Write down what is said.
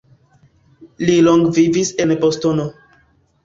Li longe vivis en Bostono.